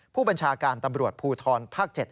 ผู้บัญชาการตำรวจภูทรภาค๗